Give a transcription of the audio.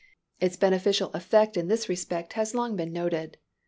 Its beneficial effects in this respect have been long noted.